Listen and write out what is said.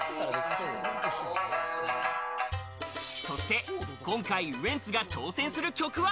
そして今回、ウエンツが挑戦する曲は。